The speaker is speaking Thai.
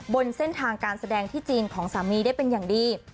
บนเส้นทางการแสดงที่จีนของสามีได้เป็นอย่างดี